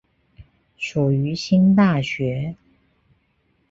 属于新大学。